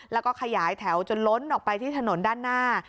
แล้วก็ขยายแถวจนล้นออกไปที่ถนนด้านหน้า